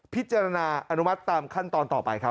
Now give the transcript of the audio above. พิจารณาอนุมัติตามขั้นตอนต่อไปครับ